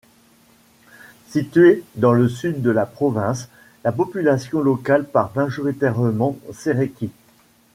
Située dans le sud de la province, la population locale parle majoritairement seraiki.